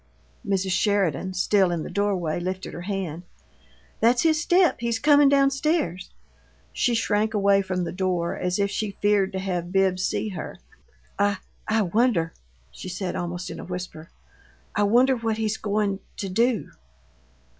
Mrs. Sheridan, still in the doorway, lifted her hand. "That's his step he's comin' down stairs." She shrank away from the door as if she feared to have Bibbs see her. "I I wonder " she said, almost in a whisper "I wonder what he's goin' to do."